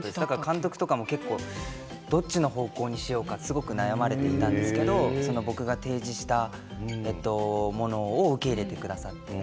監督とかも結構どっちの方向にしようかすごく悩まれていたんですけど僕が提示したものを受け入れてくださって。